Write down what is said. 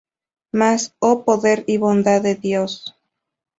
Mas, ¡oh poder y bondad de Dios!